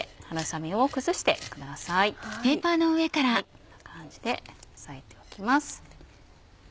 こんな感じで押さえておきます。